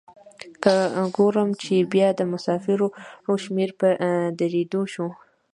که ګورم چې بیا د مسافرو شمیر په ډیریدو شو.